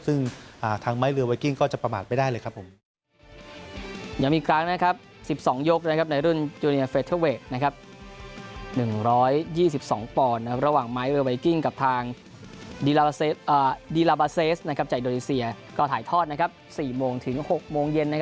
ซึ่งทางไม้เรือไวกิ้งก็จะประมาทไม่ได้เลยครับผม